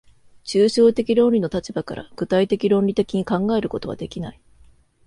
抽象的論理の立場から具体的論理的に考えることはできない。